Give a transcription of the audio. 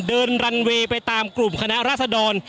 เดินรันเวย์ไปตามกลุ่มคณะราษดร